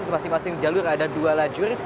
masing masing jalur ada dua lajur